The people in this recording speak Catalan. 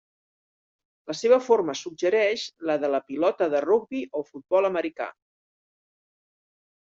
La seva forma suggereix la de la pilota de rugbi o futbol americà.